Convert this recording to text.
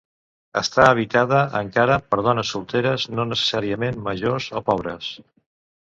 Està habitada encara per dones solteres, no necessàriament majors o pobres.